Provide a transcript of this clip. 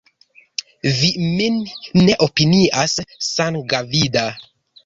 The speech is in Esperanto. Vi min ne opinias sangavida!